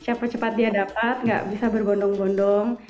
berapa cepat dia dapat nggak bisa bergondong gondong